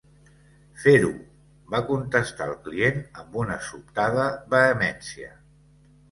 "Fer-ho!" va contestar el client, amb una sobtada vehemència.